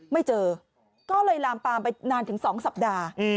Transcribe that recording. ไม่เจอก็เลยลามปามไปนานถึง๒สัปดาห์